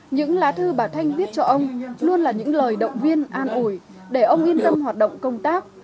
những lá thư bà thanh viết cho ông luôn là những lời động viên an ủi để ông yên tâm hoạt động công tác